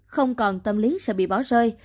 không còn tâm lý sợ bị bỏ rơi